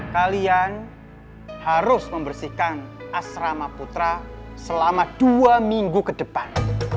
kalian harus membersihkan asrama putra selama dua minggu ke depan